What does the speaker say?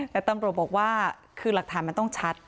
แต่ตำรวจบอกว่าคือหลักฐานมันต้องชัด